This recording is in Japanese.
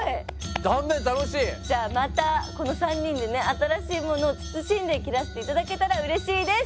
じゃあまたこの３人で新しいものをつつしんで切らしていただけたらうれしいです。